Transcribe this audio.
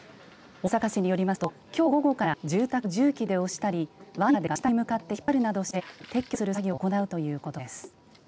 大阪市によりますときょう午後から住宅を重機で押したりワイヤーで崖下に向かって引っ張るなどして撤去する作業を行うということです。